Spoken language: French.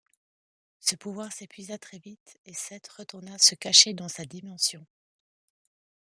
Ce pouvoir s'épuisa très vite et Set retourna se cacher dans sa dimension.